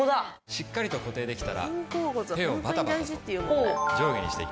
しっかりと固定できたら手をバタバタと上下にしていきます。